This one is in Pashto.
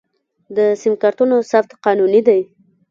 د سم کارتونو ثبت قانوني دی؟